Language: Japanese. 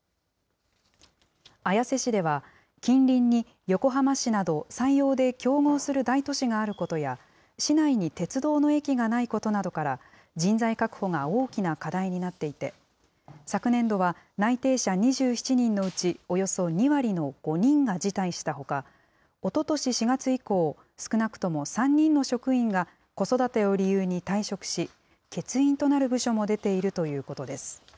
綾瀬市では、近隣に横浜市など、採用で競合する大都市があることや、市内に鉄道の駅がないことなどから、人材確保が大きな課題になっていて、昨年度は内定者２７人のうちおよそ２割の５人が辞退したほか、おととし４月以降、少なくとも３人の職員が子育てを理由に退職し、欠員となる部署も出ているということです。